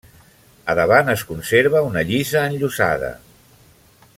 A davant es conserva una lliça enllosada.